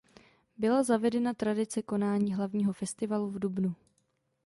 Byla zavedena tradice konání hlavního festivalu v dubnu.